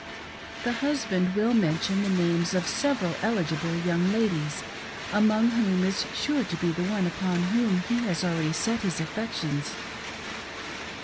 The husband will mention the names of several eligible young ladies, among whom is sure to be the one upon whom he has already set his affections.